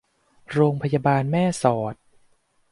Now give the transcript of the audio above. โรงพยาบาลแม่สอด